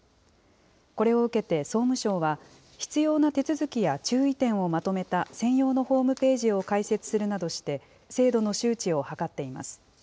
これを受けて、総務省は必要な手続きや注意点をまとめた専用のホームページを開設するなどして、制度の周知を図っています。